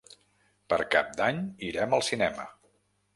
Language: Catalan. Per Cap d'Any irem al cinema.